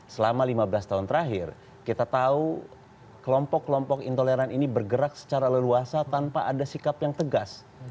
selama lima belas tahun terakhir kita tahu kelompok kelompok intoleran ini bergerak secara leluasa tanpa ada sikap yang tegas